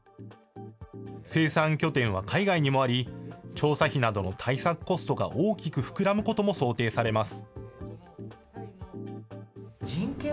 生産拠点は海外にもあり、調査費などの対策コストが大きく膨らむことも想定されます。